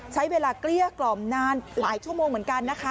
เกลี้ยกล่อมนานหลายชั่วโมงเหมือนกันนะคะ